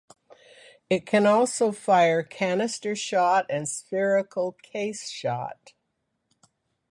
It could also fire canister shot and spherical case shot.